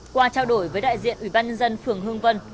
qua trao đổi với đại diện ủy ban nhân dân phường hương vân